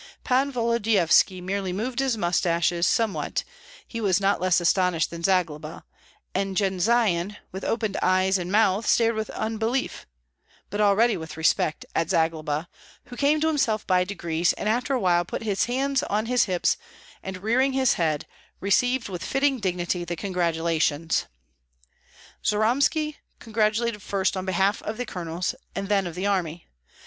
Pan Volodyovski merely moved his mustaches somewhat, he was not less astonished than Zagloba; and Jendzian, with open eyes and mouth, stared with unbelief, but already with respect, at Zagloba, who came to himself by degrees, and after a while put his hands on his hips, and rearing his head, received with fitting dignity the congratulations. Jyromski congratulated first on behalf of the colonels, and then of the army.